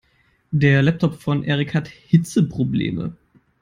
Der Laptop von Erik hat Hitzeprobleme.